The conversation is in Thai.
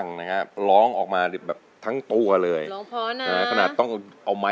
ครั้งสาม